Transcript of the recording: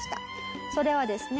それはですね